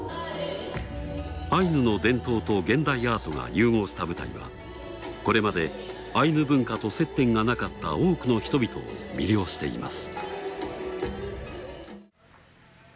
アイヌの伝統と現代アートが融合した舞台はこれまでアイヌ文化と接点がなかった多くの人々を魅了しています。